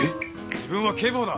自分は警部補だ。